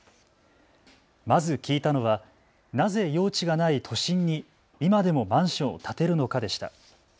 まず聞いたのは、なぜ用地がない都心に今でもマンションを建てるのかでした。